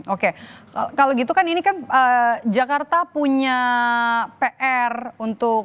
oke kalau gitu kan ini kan jakarta punya pr untuk